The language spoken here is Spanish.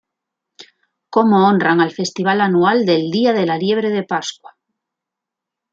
Cómo honran al festival anual del Día de la Liebre de Pascua.